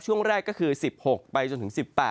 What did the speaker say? ช่วงแรกก็คือ๑๖ไปจนถึง๑๘